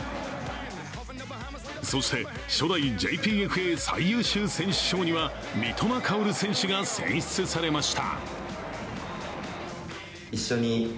そして、初代ＪＰＦＡ最優秀選手賞には三笘薫選手が選出されました。